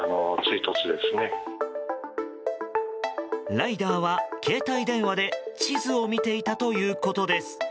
ライダーは携帯電話で地図を見ていたということです。